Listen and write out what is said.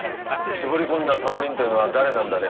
絞り込んだ３人というのは誰なんだね？